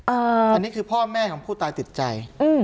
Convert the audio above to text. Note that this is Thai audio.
อันนี้คือพ่อแม่ของผู้ตายติดใจ